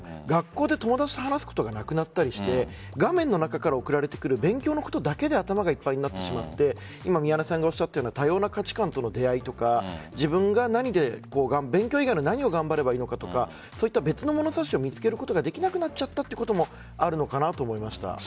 学校で友達と話すことがなくなったりして画面の中から送られてくる勉強のことだけで頭がいっぱいになってしまって今、宮根さんがおっしゃったような価値観との出会いとか自分が勉強以外の何を頑張ればいいのかとかそういった別の物差しを見つけることができなくなったというのもあるのかなと思いました。